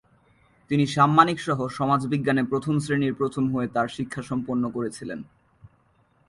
তিনি সাম্মানিক সহ সমাজবিজ্ঞানে প্রথম শ্রেণীর প্রথম হয়ে তাঁর শিক্ষা সম্পন্ন করেছিলেন।